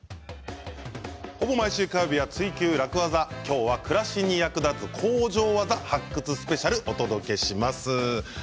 ほぼ毎週火曜日は「ツイＱ楽ワザ」今日は暮らしに役立つ工場ワザ発掘スペシャルをお届けします。